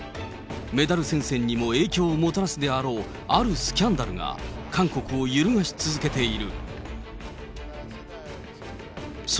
メダル戦線にも影響をもたらすであろうあるスキャンダルが、韓国を揺るがし続けている。